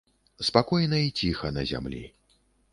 Спакойна і ціха на зямлі.